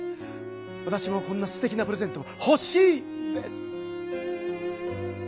わたしもこんなすてきなプレゼントほしいです。